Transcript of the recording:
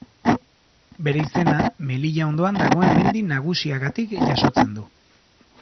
Bere izena, Melilla ondoan dagoen mendi nagusiagatik jasotzen du.